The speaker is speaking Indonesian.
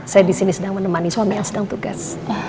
saya di sini sedang menemani suami yang sedang tugas